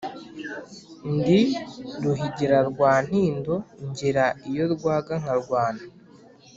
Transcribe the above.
Ndi Ruhigira rwa Ntindo ngera iyo rwaga nkarwana,